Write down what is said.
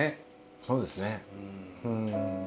そうですねうん。